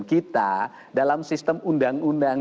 kita dalam sistem undang undang